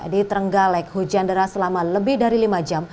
di trenggalek hujan deras selama lebih dari lima jam